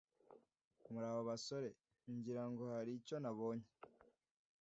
Muraho basore, ngira ngo hari icyo nabonye.